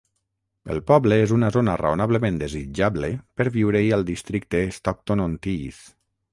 El poble és una zona raonablement desitjable per viure-hi al districte Stockton-on-Tees.